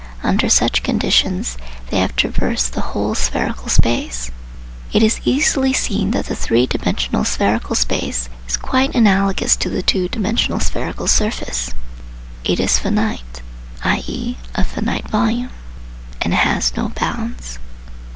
Under such conditions they have traversed the whole spherical space. It is easily seen that the three dimensional spherical space is quite analogous to the two dimensional spherical surface. It is finite (i.e. of finite volume), and has no bounds.